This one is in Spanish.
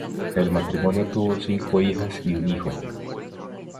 El matrimonio tuvo cinco hijas y un hijo.